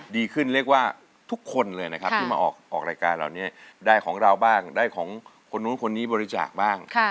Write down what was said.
ดีขึ้นเรียกว่าทุกคนเลยนะครับที่มาออกรายการเหล่านี้ได้ของเราบ้างได้ของคนนู้นคนนี้บริจาคบ้าง